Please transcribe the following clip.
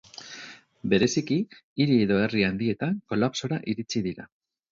Bereziki, hiri edo herri handienetan kolapsora iritsi dira.